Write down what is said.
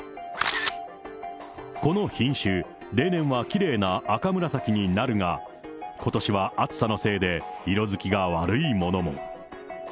この品種、例年はきれいな赤紫になるが、ことしは暑さのせいで色づきが悪いものも。